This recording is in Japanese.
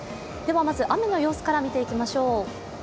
まず、雨の様子から見ていきましょう。